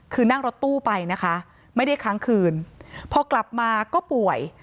คือนั่งรถตู้ไปนะคะไม่ได้ค้างคืนพอกลับมาก็ป่วย